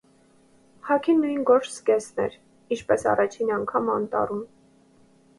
Հագին նույն գորշ զգեստն էր, ինչպես առաջին անգամ անտառում: